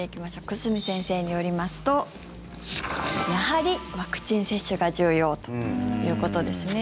久住先生によりますとやはり、ワクチン接種が重要ということですね。